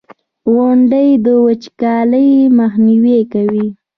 • غونډۍ د وچکالۍ مخنیوی کوي.